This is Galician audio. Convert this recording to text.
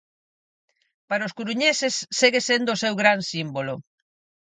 Para os coruñeses segue sendo o seu gran símbolo.